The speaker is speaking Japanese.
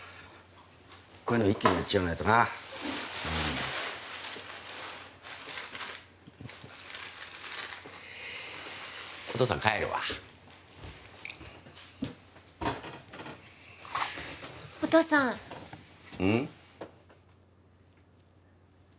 こういうのは一気にやっちゃわないとなうんお父さん帰るわお父さんうん？